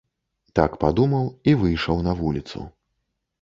Так падумаў і выйшаў на вуліцу.